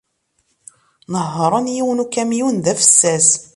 Nehhṛen yiwen n ukamyun d afessas.